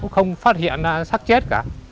không phát hiện sắc chết cả